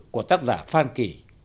của tác giả phan kỳ